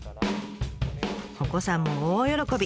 お子さんも大喜び。